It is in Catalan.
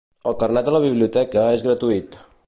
El carnet de la biblioteca és gratuït